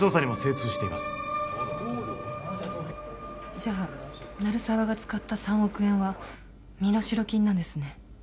じゃ鳴沢が使った３億円は身代金なんですね？